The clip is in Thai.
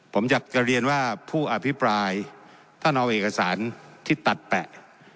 ผมอยากจะเรียนว่าผู้อภิปรายท่านเอาเอกสารที่ตัดแปะ